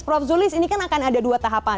prof zulis ini kan akan ada dua tahapan